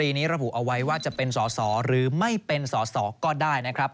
นี้ระบุเอาไว้ว่าจะเป็นสอสอหรือไม่เป็นสอสอก็ได้นะครับ